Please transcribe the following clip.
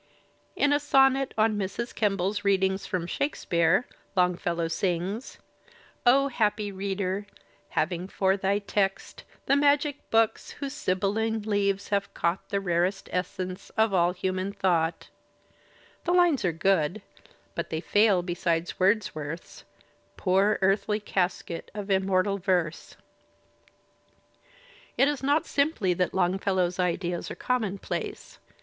In a sonnet "On Mrs. Kemble's Readings from Shakespeare" Longfellow sings: O happy reader! having for thy text The magic book whose sibylline leaves have caught The rarest essence of all human thought. The lines are good, but they fail beside Wordsworth's Poor earthly casket of immortal verse. Digitized by Google 104 THE SPIRIT OF AMERICAN LITERATURE It is not simply that Longfellow's ideas are commonplace.